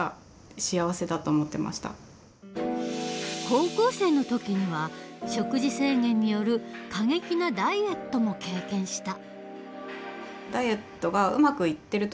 高校生の時には食事制限による過激なダイエットも経験した。